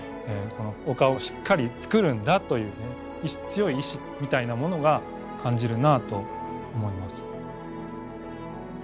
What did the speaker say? お顔をしっかり作るんだという強い意志みたいなものが感じるなあと思います。